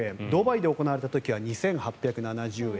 ドバイで行われた時は２８７０円。